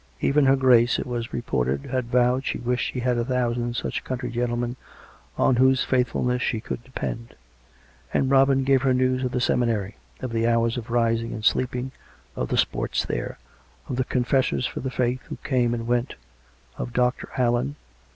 Even her Grace, it was reported, had vowed she wished she had a thousand such country gentle men on whose faithfuness she could depend. And Robin gave her news of the seminary, of the hours of rising and sleeping, of the sports there; of the confessors for the faith who came and went; of Dr. Allen.